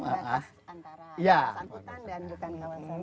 antara kesamputan dan bukan kawasan